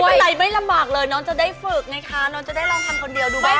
ไม่เป็นไรไม่ลำบากเลยนอนจะได้ฝึกไงคะนอนจะได้ลองทำคนเดียวดูบ้าง